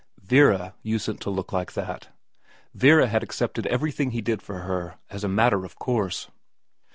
Vera usedn't to look like that. Vera had accepted everything he did for her as a matter of course.